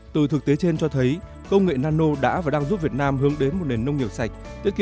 từ thực tế trên cho thấy công nghệ nano đã và đang giúp việt nam hướng đến một nền nông nghiệp sạch